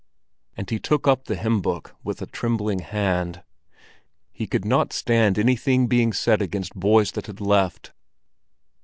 And he took up the hymn book with a trembling hand. He could not stand anything being said against boys that had left.